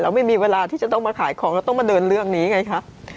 ไม่มีเวลาที่จะต้องมาขายของเราต้องมาเดินเรื่องนี้ไงคะ